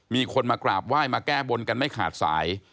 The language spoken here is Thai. มีคนมากราบไหว้มาแก้บนกันไม่ขาดสาย